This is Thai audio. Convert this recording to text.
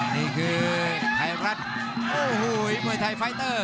นี่คือถายรักมวยไทยไฟเตอร์